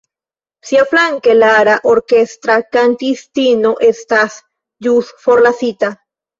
Siaflanke, Lara, orkestra kantistino, estas ĵus forlasita.